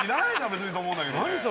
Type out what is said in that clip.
別にと思うんだけどね